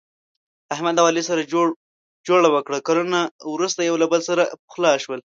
احمد او علي سره جوړه وکړه، کلونه ورسته یو له بل سره پخلا شول.